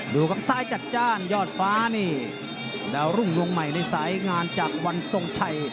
ดูครับซ้ายจัดจ้านยอดฟ้านี่ดาวรุ่งดวงใหม่ในสายงานจากวันทรงชัย